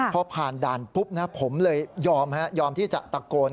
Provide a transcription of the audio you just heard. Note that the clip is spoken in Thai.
เพราะผ่านด่านปุ๊บนะครับผมเลยยอมที่จะตะโกน